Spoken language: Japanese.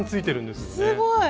すごい！